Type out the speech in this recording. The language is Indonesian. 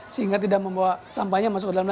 sehingga tidak membawa sampahnya masuk ke dalam rumah